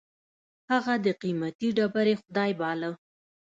هغه د قېمتي ډبرې خدای باله.